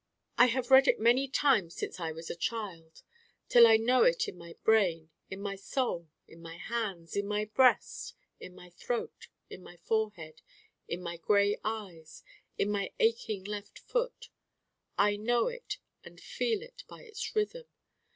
I have read it many times since I was a child: till I know it in my brain, in my Soul, in my hands, in my breast, in my throat, in my forehead, in my gray eyes, in my aching left foot. I know it and feel it by its Rhythm.